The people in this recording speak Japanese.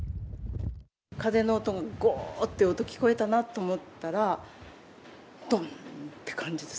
風の音が、ごーっていう音、聞こえたなと思ったら、どーんって感じです。